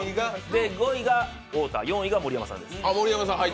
５位が太田、４位が盛山さんです。